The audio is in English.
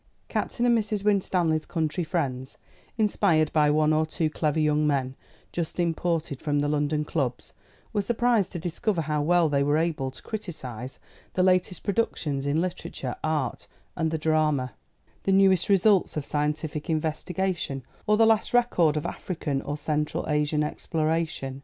Captain and Mrs. Winstanley's country friends, inspired by one or two clever young men just imported from the London clubs, were surprised to discover how well they were able to criticise the latest productions in literature, art, and the drama; the newest results of scientific investigation; or the last record of African or Central Asian exploration.